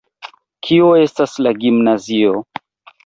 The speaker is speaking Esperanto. Kio estas la gimnazio?